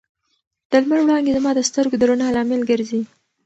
د لمر وړانګې زما د سترګو د رڼا لامل ګرځي.